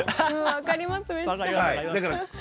分かります。